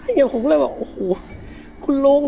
แต่คำถามของครูมันกล้ามกื่นไง